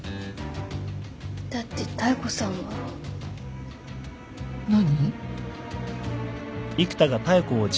だって妙子さんは。何？